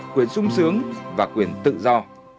quyền sung sướng và quyền tự do